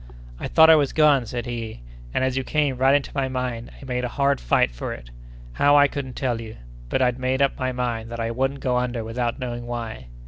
"I thought I was gone," said he, "and as you came right into my mind, I made a hard fight for it. How, I couldn't tell you—but I'd made up my mind that I wouldn't go under without knowing why.